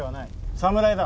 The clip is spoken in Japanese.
侍だ。